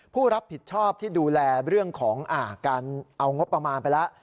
ผู้รับผิดชอบที่ดูแลเรื่องของการเอางบประมาณไปแล้ว